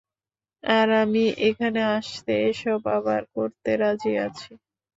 আর আমি এখানে আসতে এসব আবার করতে রাজি আছি।